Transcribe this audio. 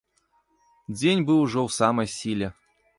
Дзень быў ужо ў самай сіле.